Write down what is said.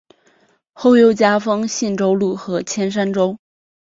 后又加封信州路和铅山州。